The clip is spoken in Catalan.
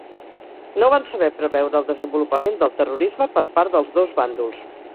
No van saber preveure el desenvolupament del terrorisme per part dels dos bàndols.